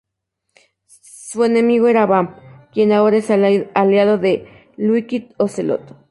Su enemigo será Vamp, quien ahora es aliado de Liquid Ocelot.